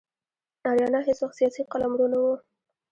آریانا هیڅ وخت سیاسي قلمرو نه و.